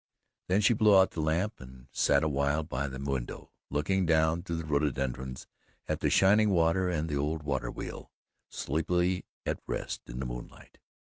Then she blew out the lamp and sat a while by the window, looking down through the rhododendrons, at the shining water and at the old water wheel sleepily at rest in the moonlight.